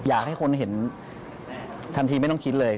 อยากให้คนเห็นทันทีไม่ต้องคิดเลย